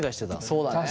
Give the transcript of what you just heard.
そうだね。